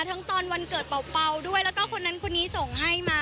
ตอนวันเกิดเป่าด้วยแล้วก็คนนั้นคนนี้ส่งให้มา